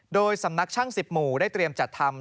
โดยสำนักช่าง๑๐หมู่ได้เตรียมจัดทำ